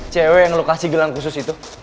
cewek yang lu kasih gelang khusus itu